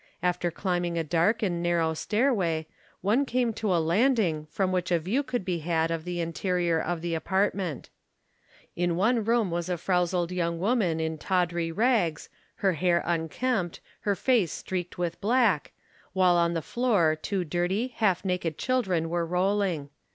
After climbing a dark and narrow stairway, one came to a landing from which a view could be had of the interior of the apartment. FACTS ABOUT THE KALLIKAK FAMILY 87 In one room was a frowsled young woman in tawdry rags, her hair unkempt, her face streaked with black, while on the floor two dirty, half naked children were rolling.